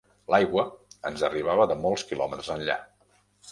L'aigua, ens arribava de molts quilòmetres enllà